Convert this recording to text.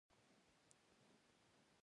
موزیک د زېږون جشن ته خوند ورکوي.